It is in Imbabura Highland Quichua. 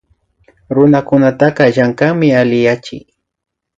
Runakunataka llankanmi alli yachik